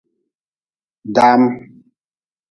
Dam.